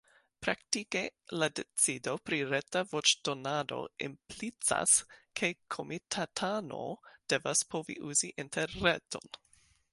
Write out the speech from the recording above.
Praktike la decido pri reta voĉdonado implicas, ke komitatano devas povi uzi interreton.